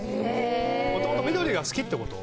もともと緑が好きってこと？